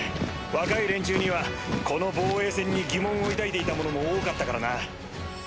若い連中にはこの防衛戦に疑問を抱いていた者も多かったからな。